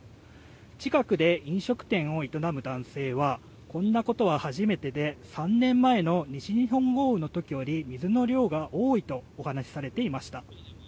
近くで飲食店を営む男性はこんなことは初めてで３年前の西日本豪雨の時より水の量が多いとお話しされていました。